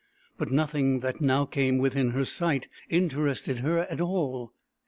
But nothing that now came within her sight interested her at all.